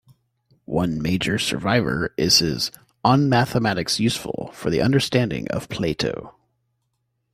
The one major survivor is his "On Mathematics Useful for the Understanding of Plato".